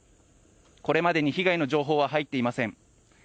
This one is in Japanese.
これまでに被害の情報は入っていません。